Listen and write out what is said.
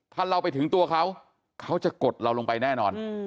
ถ้าเราไปถึงตัวเขาเขาจะกดเราลงไปแน่นอน